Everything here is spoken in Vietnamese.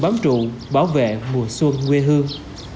bảo vệ mùa xuân quê hương